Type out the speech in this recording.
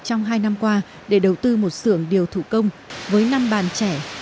trong hai năm qua để đầu tư một sưởng điều thủ công với năm bàn trẻ